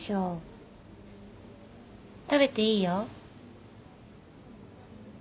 食べていいよ